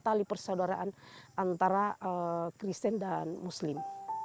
tali persaudaraan antara kristen dan muslim